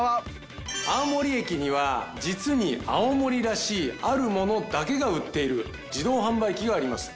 青森駅には実に青森らしいあるものだけが売っている自動販売機があります。